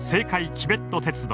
チベット鉄道。